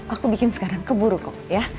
aku bikin sekarang keburu kok ya